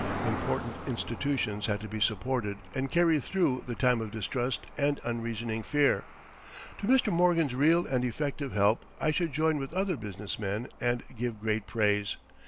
Important institutions had to be supported and carried through the time of distrust and unreasoning fear. To Mr. Morgan's real and effective help I should join with other business men and give great praise.